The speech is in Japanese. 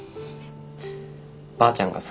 ばあちゃんがさ